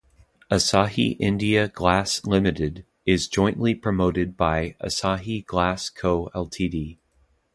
Asahi India Glass Limited is jointly promoted by Asahi Glass Co.Ltd.